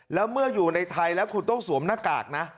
แล้วเมื่ออยู่ในไทยแล้วคุณต้องสวมหน้ากากนะ